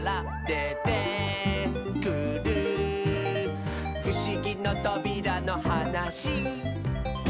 「でてくるふしぎのとびらのはなし」